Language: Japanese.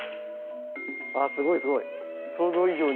ああすごいすごい。